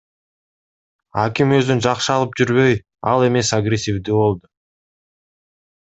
Аким өзүн жакшы алып жүрбөй, ал эмес агрессивдүү болду.